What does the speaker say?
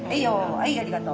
はいありがとう。